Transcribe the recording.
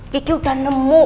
kiki udah nemu